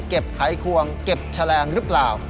ไขควงเก็บแฉลงหรือเปล่า